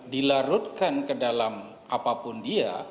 dilarutkan ke dalam apapun dia